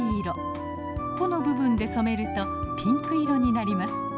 穂の部分で染めるとピンク色になります。